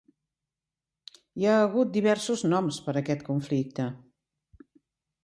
Hi ha hagut diversos noms per a aquest conflicte.